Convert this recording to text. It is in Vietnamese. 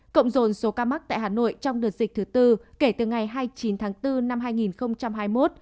cộng dồn số ca mắc tại hà nội trong đợt dịch thứ tư kể từ ngày hai mươi chín tháng bốn năm hai nghìn hai mươi một